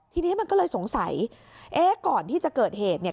ทีนี้มันก็เลยสงสัยเอ๊ะก่อนที่จะเกิดเหตุเนี่ย